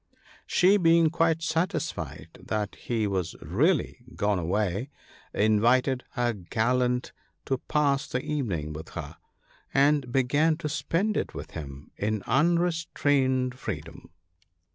She being quite satisfied that he was really gone away, invited her gallant to pass the evening with her, and began to spend it with him in unrestrained 96 THE BOOK OF GOOD COUNSELS. freedom.